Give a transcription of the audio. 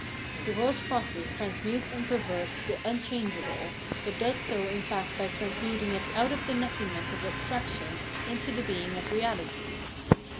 The world's process transmutes and perverts the imchangeable, but does so in fact by transmuting it out of the nothingness of abstraction into the being of reahty.